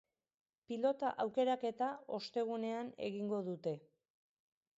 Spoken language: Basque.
Pilota aukeraketa ostegunean egingo dute.